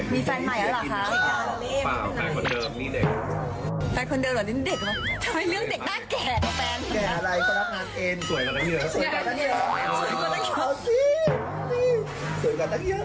มีแฟนใหม่แล้วเหรอคะ